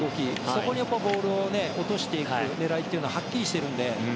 そこにボールを落としていく狙いというのがはっきりしているので。